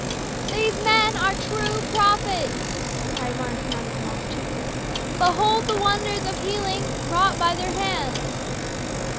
"These men are true prophets !" cried one from out the multitude. " Behold the wonders of healing wrought by their hands